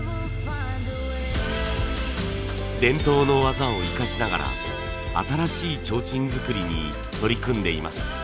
伝統の技を生かしながら新しいちょうちん作りに取り組んでいます。